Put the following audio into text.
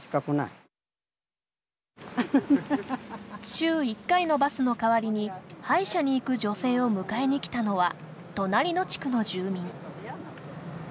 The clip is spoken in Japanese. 週一回のバスの代わりに歯医者に行く女性を迎えに来たのは隣の地区の住民。